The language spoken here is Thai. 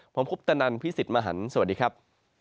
ผมคุปตนันพี่สิทธิ์มหันฯสวัสดีครับ